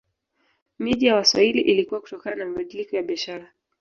Miji ya Waswahili ilikua kutokana na mabadiliko ya biashara